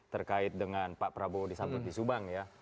terkait dengan pak prabowo disambut di subang ya